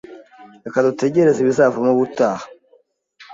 Reka dutegereze ibizavamo ubutaha